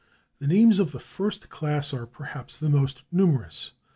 The names of the first class are perhaps the most numerous.